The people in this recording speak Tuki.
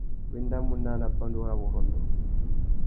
Wa endamú naā nà pandúrâwurrôndô.